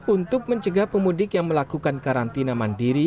untuk mencegah pemudik yang melakukan karantina mandiri